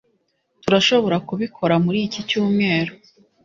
turashobora kubikora muri iki cyumweru